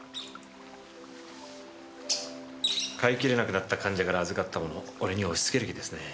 飼いきれなくなった患者から預かったものを俺に押し付ける気ですね。